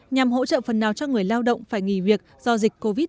nhằm hỗ trợ phần nào cho người lao động phải nghỉ việc do dịch covid một mươi chín